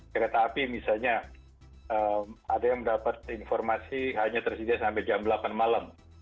kereta api misalnya ada yang mendapat informasi hanya tersedia sampai jam delapan malam